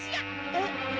「えっ？」